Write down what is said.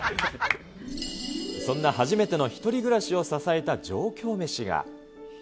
そんな初めての１人暮らしを支えた上京メシが。